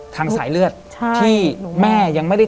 แต่ขอให้เรียนจบปริญญาตรีก่อน